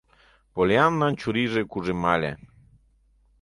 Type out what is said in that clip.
Поллианнан чурийже кужемале: